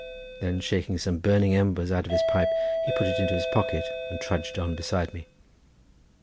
Then shaking some burning embers out of his pipe, he put it into his pocket, and trudged on beside me.